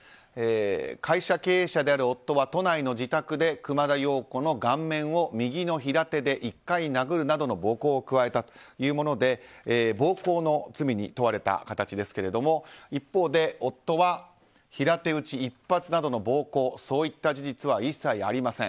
会社経営者である夫は都内の自宅で熊田曜子の顔面を右の平手で１回殴るなどの暴行を加えたというもので暴行の罪に問われた形ですが一方で夫は、平手打ち１発などの暴行、そういった事実は一切ありません。